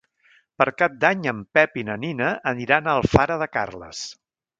Per Cap d'Any en Pep i na Nina aniran a Alfara de Carles.